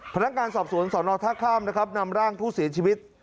พนักการณ์สอบสวนสอนออกท่าข้ามนำร่างผู้เสียชีวิต